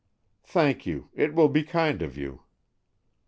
"Thank you. It will be kind of you."